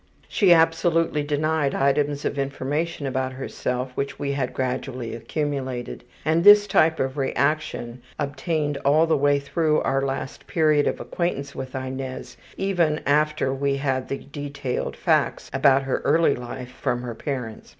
She absolutely denied items of information about herself which we had gradually accumulated, and this type of reaction obtained all the way through our last period of acquaintance with Inez, even after we had the detailed facts about her early life from her parents.